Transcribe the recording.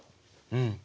うん！